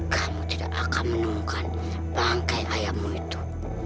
kamu tidak akan menunggu panggai ayahmu itu